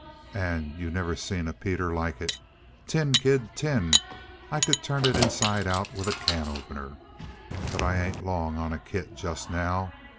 "And you never seen a peter like it. Tin, kid, tin. I could turn it inside out with a can opener. But I ain't long on a kit just now.